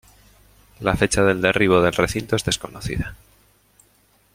La fecha de derribo del recinto es desconocida.